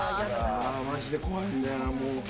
マジで怖いんだよなもう。